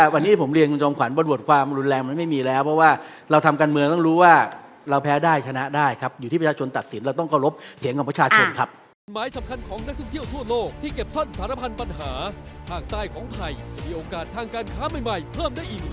ไม่มีหรือครับเพราะว่าวันนี้ผมเรียนคำคำขวัญบนบทความรุนแรง